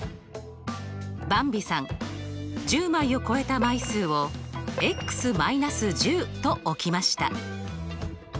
ばんびさん１０枚を超えた枚数を−１０と置きました。